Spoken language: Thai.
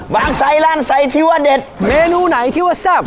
บางไซร้านไซส์ที่ว่าเด็ดเมนูไหนที่ว่าแซ่บ